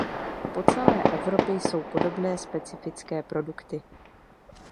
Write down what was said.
Po celé Evropě jsou podobné specifické produkty.